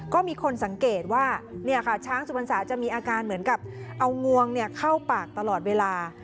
ก็มีคนสังเกตว่าช้างสุพรรษาจะมีอาการเหมือนกับเอางวงเข้าปากตลอดเวลา